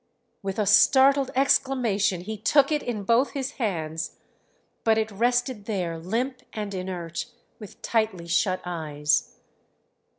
With a startled exclamation he took it in both his hands; but it rested there limp and inert with tightly shut eyes.